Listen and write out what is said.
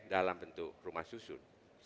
dalam bentuk rumah susun